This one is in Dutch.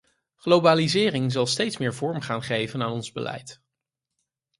Globalisering zal steeds meer vorm gaan geven aan ons beleid.